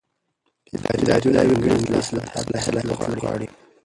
اداري دعوې ځانګړی صلاحیت غواړي.